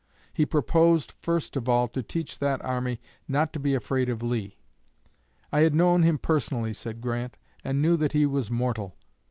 He proposed, first of all, to teach that army "not to be afraid of Lee." "I had known him personally," said Grant, "and knew that he was mortal."